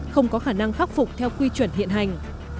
không có khả năng khắc phục theo quy chuẩn hiện hành